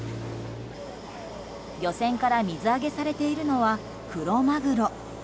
漁船から水揚げされているのはクロマグロ。